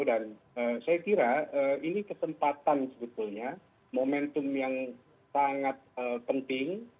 saya kira ini kesempatan sebetulnya momentum yang sangat penting